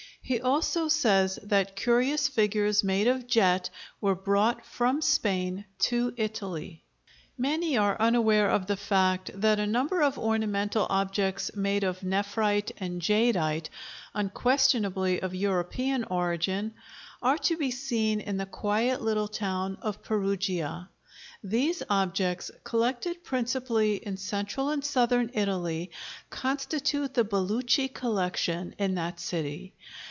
He also says that curious figures made of jet were brought from Spain to Italy. Many are unaware of the fact that a number of ornamental objects made of nephrite and jadeite—unquestionably of European origin—are to be seen in the quiet little town of Perugia. These objects, collected principally in central and southern Italy, constitute the Belucci Collection, in that city.